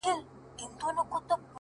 د سلگيو ږغ يې ماته را رسيږي،